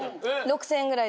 ６０００円ぐらい？